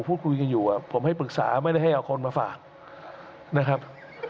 พูดคุยกันอยู่ผมให้ปรึกษาไม่ได้ให้เอาคนมาฝากนะครับ